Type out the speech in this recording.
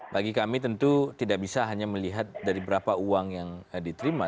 bagi kami tentu tidak bisa hanya melihat dari berapa uang yang diterima